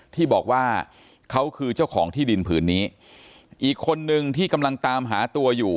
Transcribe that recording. ที่บอกว่าเขาคือเจ้าของที่ดินผืนนี้อีกคนนึงที่กำลังตามหาตัวอยู่